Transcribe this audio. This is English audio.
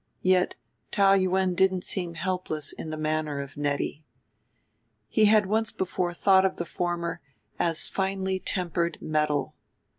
Yet Taou Yuen didn't seem helpless in the manner of Nettie. He had once before thought of the former as finely tempered metal.